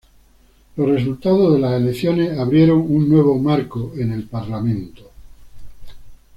Los resultados de las elecciones abrieron un nuevo marco en el parlamento.